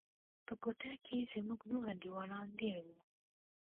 په كوټه کښې زموږ نور انډيوالان دېره وو.